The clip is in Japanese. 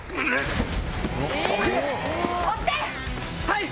はい！